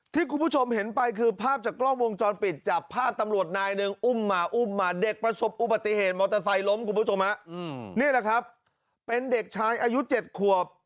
ที่คุณผู้ชมเห็นไปคือภาพจากกล้องวงจรปิดจับภาพตำรวจนายหนึ่งอุ้มมาอุ้มมาเด็กประสบอุบัติเหตุมอเตอร์ไซค์ล้มคุณผู้ชมฮะนี่แหละครับเป็นเด็กชายอายุ๗ขวบ